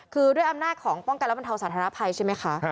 คือด้วยอำนาจของป้องกันและบรรเทาสาธารณภัยใช่ไหมคะ